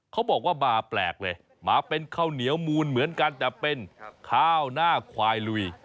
เขาบอกว่ามาแปลกเลยมาเป็นข้าวเหนียวมูลเหมือนกันแต่เป็นข้าวหน้าควายลุย